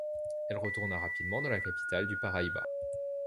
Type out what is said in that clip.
Elle retourna rapidement dans la capitale du Paraíba.